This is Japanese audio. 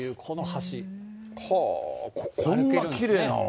こんなきれいなの？